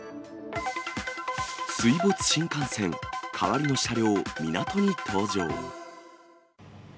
水没新幹線、代わりの車両港に登場。